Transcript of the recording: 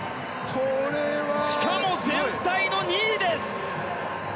しかも全体の２位です。